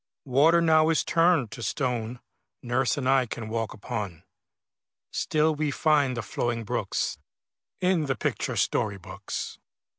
Water now is turned to stone Nurse and I can walk upon; Still we find the flowing brooks In the picture story books.